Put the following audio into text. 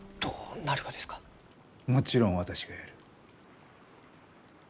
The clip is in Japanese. もちろん私がやる。